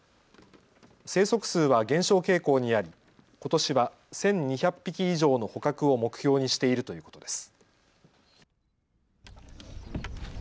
生息数は減少傾向にありことしは１２００匹以上の捕獲を目標にしているということです。